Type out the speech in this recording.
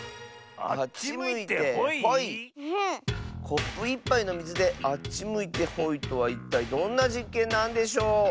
コップ１ぱいのみずであっちむいてほいとはいったいどんなじっけんなんでしょう？